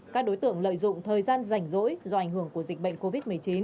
các đối tượng lợi dụng thời gian rảnh rỗi do ảnh hưởng của dịch bệnh covid một mươi chín